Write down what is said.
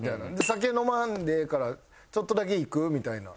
「酒飲まんでええからちょっとだけ行く？」みたいな。